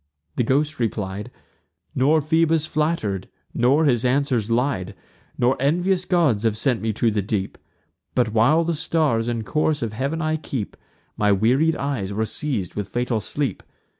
The ghost replied; "Nor Phoebus flatter'd, nor his answers lied; Nor envious gods have sent me to the deep: But, while the stars and course of heav'n I keep, My wearied eyes were seiz'd with fatal sleep.